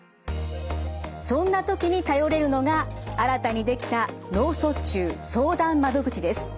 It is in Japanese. そんな時に頼れるのが新たに出来た脳卒中相談窓口です。